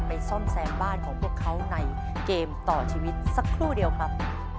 ซ่อมแซมบ้านของพวกเขาในเกมต่อชีวิตสักครู่เดียวครับ